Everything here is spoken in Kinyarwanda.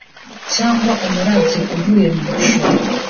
cyangwa umurabyo uvuye mu bicu